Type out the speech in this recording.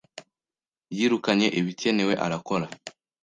Yirukanye ibikenewe arakora